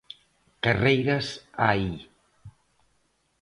Carreiras hai.